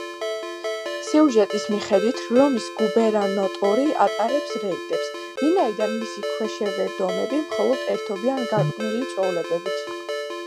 სიუჟეტის მიხედვით, რომის გუბერნატორი ატარებს რეიდებს, ვინაიდან მისი ქვეშევრდომები მხოლოდ ერთობიან გარყვნილი წვეულებებით.